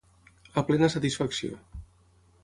A plena satisfacció.